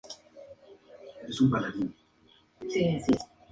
Unos meses más tarde, se erigió un mausoleo sobre su tumba.